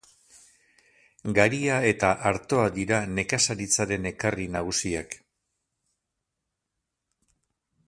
Garia eta artoa dira nekazaritzaren ekarri nagusiak.